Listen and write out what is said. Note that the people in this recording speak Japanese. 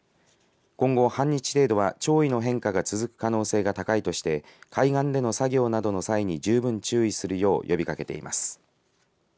今後、半日程度は潮位の変化が続く可能性が高いとして海岸での作業などの際に十分注意するよう呼びかけています。